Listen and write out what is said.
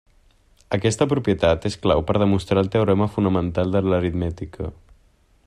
Aquesta propietat és clau per demostrar el teorema fonamental de l'aritmètica.